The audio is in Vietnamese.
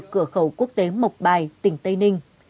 cửa khẩu quốc tế mộc bài tỉnh tây ninh